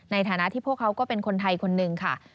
ในฐานะที่พวกเขาก็เป็นคนไทยคนหนึ่งค่ะ